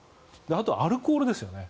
あと、アルコールですよね。